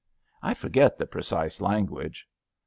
I forget the precise language.